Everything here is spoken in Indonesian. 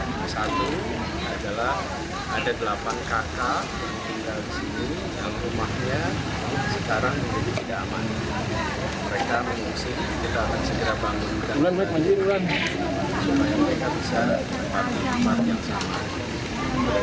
anis berjanji akan kembali membangun dan memperkuat turap yang longsor